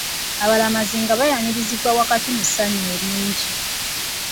Abalamazi nga baayanirizibwa wakati mu ssanyu eringi.